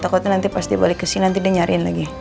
takutnya nanti pas dia balik ke sini nanti dia nyariin lagi